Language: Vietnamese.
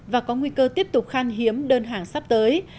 và có nguy cơ tiếp tục khan hiếm đơn hàng sắp tới